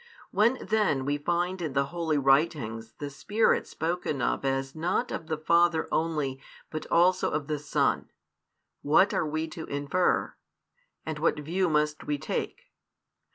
When then we find in the Holy Writings the Spirit spoken of as not of the Father only but also of the Son, what are we to infer, and what view must we take?